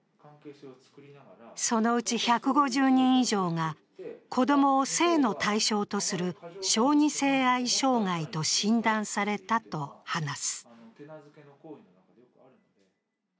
そのうち１５０人以上が子供を性の対象とする小児性愛障害と診断されたと話す。